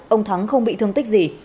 ông thắng không bị thương tích gì